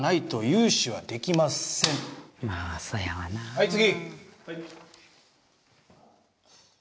はい次！